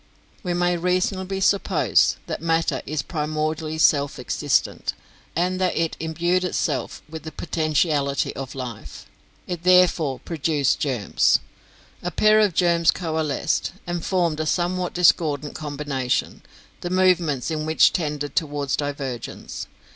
"We may reasonably suppose that matter is primordially self existent, and that it imbued itself with the potentiality of life. It therefore produced germs. A pair of germs coalesced, and formed a somewhat discordant combination, the movements in which tended towards divergence.